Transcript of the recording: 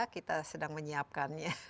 kita sedang menyiapkannya